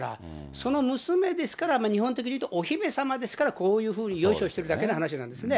その娘ですから、日本的にいうとお姫様ですから、こういうふうによいしょしてるだけの話なんですね。